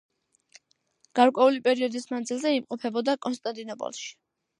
გარკვეული პერიოდის მანძილზე იმყოფებოდა კონსტანტინოპოლში.